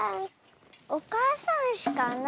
おかあさんうしかな